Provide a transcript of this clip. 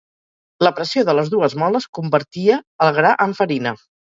La pressió de les dues moles convertia el gra amb farina.